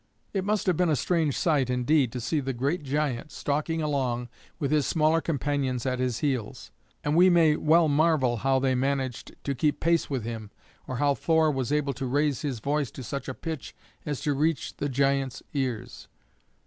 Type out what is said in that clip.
It must have been a strange sight, indeed, to see the great giant stalking along with his smaller companions at his heels; and we may well marvel how they managed to keep pace with him, or how Thor was able to raise his voice to such a pitch as to reach the giant's ears.